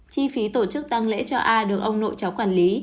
chi phí tổ chức tăng lễ cho a được ông nội cháu quản lý